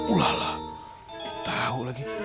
ulala dia tau lagi